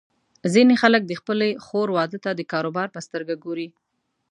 ځینې خلک د خپلې خور واده ته د کاروبار په سترګه ګوري.